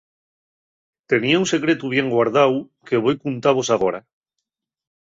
Tenía un secretu bien guardáu que voi cuntavos agora.